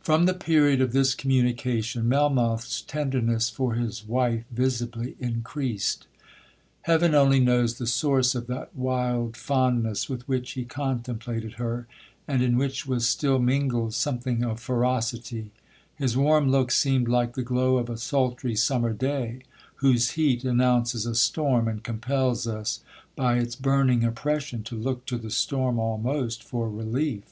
'From the period of this communication, Melmoth's tenderness for his wife visibly increased. 'Heaven only knows the source of that wild fondness with which he contemplated her, and in which was still mingled something of ferocity. His warm look seemed like the glow of a sultry summer day, whose heat announces a storm, and compels us by its burning oppression, to look to the storm almost for relief.